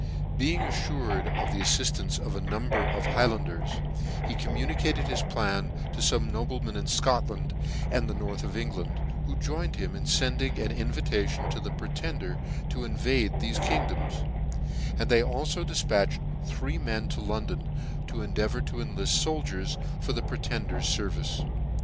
Being affured of the afiiftance of a number of the Highlanders, he communicated his plan to fome noblemen in Scotland and the north of Eng land, who joined with him in fending an invita tion to the Pretender to invade thefc kingdoms : and they alfo difpatrhed three men to London, to endeavour to enlift fokliers for the Pretender's fervice.